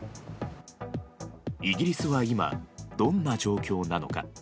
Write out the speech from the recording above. イギリスは今どんな状況なのか。